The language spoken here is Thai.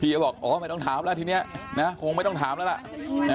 ก็บอกอ๋อไม่ต้องถามแล้วทีนี้คงไม่ต้องถามแล้วล่ะ